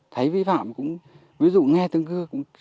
thấy vi phạm cũng ví dụ nghe tương cư